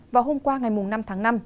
vào hôm qua ngày năm tháng năm